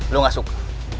lo gak suka